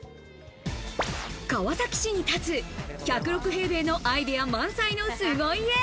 川崎市に建つ１０６平米のアイデア満載の凄家。